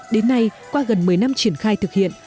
đến nay qua gần một mươi năm triển khai thực hiện